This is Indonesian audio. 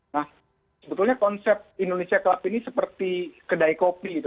nah sebetulnya konsep indonesia club ini seperti kedai kopi gitu